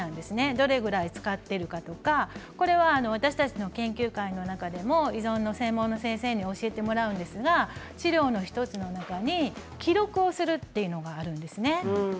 どれくらい大事かこれは私たちの研究家の中でも依存の専門の先生に教えてもらうんですが治療の１つの中に記録をするというのがあるんです。